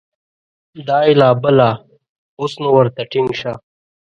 دا یې لا بله ، اوس نو ورته ټینګ شه !